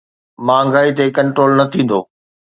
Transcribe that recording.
مهانگائي تي ڪنٽرول نه ٿيندو.